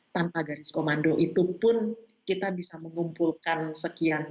tanpa garis komando itu pun kita bisa mengumpulkan sekian